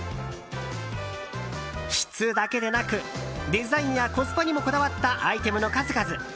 質だけでなくデザインやコスパにもこだわったアイテムの数々。